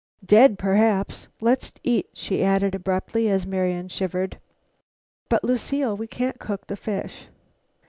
"Dead, perhaps. Let's eat," she added abruptly, as Marian shivered. "But, Lucile, we can't cook the fish."